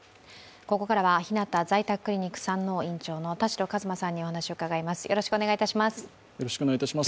ここからはひなた在宅クリニック山王院長の田代和馬さんにお話を伺います。